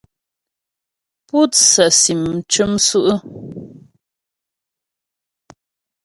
Pú tsə́sim m cʉ́m sʉ́' ʉ́ ?